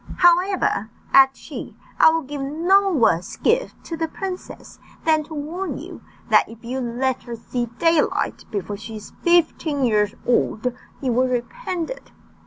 "However," added she, "I will give no worse gift to the princess than to warn you, that if you let her see daylight before she is fifteen years old, you will repent it."